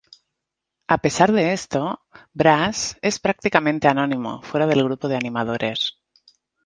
A pesar de esto, Bras es prácticamente anónimo fuera del grupo de animadores.